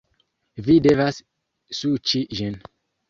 Vi devas suĉi ĝin